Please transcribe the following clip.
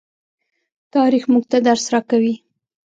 تاریخ موږ ته درس راکوي.